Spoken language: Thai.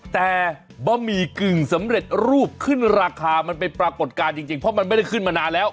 แต่บะหมี่กึ่งสำเร็จรูปขึ้นราคามันเป็นปรากฏการณ์จริงเพราะมันไม่ได้ขึ้นมานานแล้ว